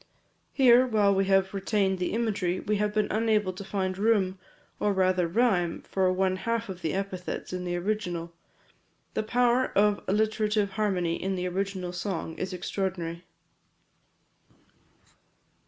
Here, while we have retained the imagery, we have been unable to find room, or rather rhyme, for one half of the epithets in the original. The power of alliterative harmony in the original song is extraordinary.